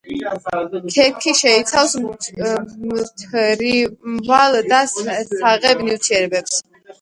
ქერქი შეიცავს მთრიმლავ და საღებავ ნივთიერებებს.